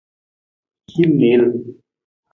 Hin niil.